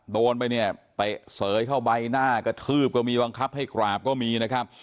โดนไปเนี่ยเตะเสยเข้าใบหน้ากระทืบก็มีบังคับให้กราบก็มีนะครับ